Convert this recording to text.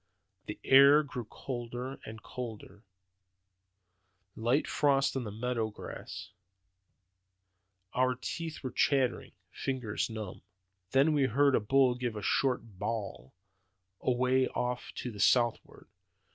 The air grew colder and colder; light frost on the meadow grass; our teeth were chattering, fingers numb. "Then we heard a bull give a short bawl, away off to the southward.